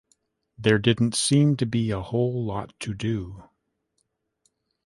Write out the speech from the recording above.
There didn't seem to be a whole lot to do.